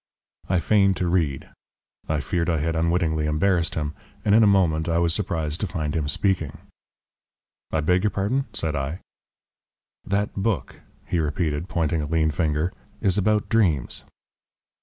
I feigned to read. I feared I had unwittingly embarrassed him, and in a moment I was surprised to find him speaking. "I beg your pardon?" said I. "That book," he repeated, pointing a lean finger, "is about dreams."